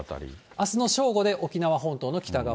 あすの正午あたりで沖縄本島の北側。